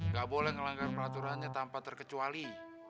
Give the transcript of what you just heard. gak boleh melanggar peraturannya tanpa terkecuali